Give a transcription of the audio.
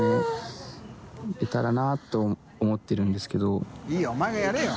お前いいお前がやれよ。